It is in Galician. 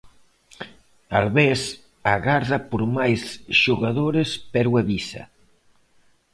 Albés agarda por máis xogadores pero avisa.